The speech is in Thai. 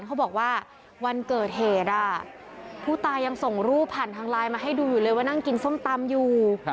เขาบอกว่าวันเกิดเหตุผู้ตายังส่งรูปผ่านทางไลน์มาให้ดูอยู่เลยว่านั่งกินส้มตำอยู่